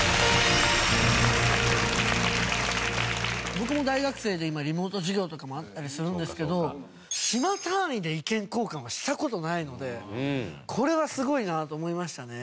僕も大学生で今リモート授業とかもあったりするんですけど島単位で意見交換はした事ないのでこれはすごいなと思いましたね。